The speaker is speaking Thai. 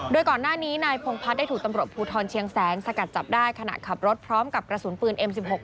โดยก่อนหน้านี้นายพงพัฒน์ได้ถูกตำรวจภูทรเชียงแสนสกัดจับได้ขณะขับรถพร้อมกับกระสุนปืนเอ็มสิบหก